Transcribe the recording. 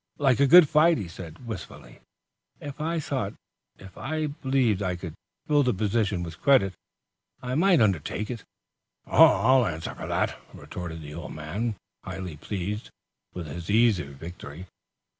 "I like a good fight," he said, wistfully. "If I thought if I believed I could fill the position with credit I might undertake it." "I'll answer for that," retorted the old man, highly pleased with his easy victory.